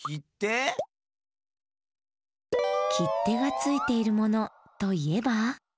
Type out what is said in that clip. きってがついているものといえば？